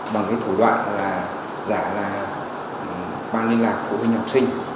bằng cái thủ đoạn là giả là ban liên lạc của huynh học sinh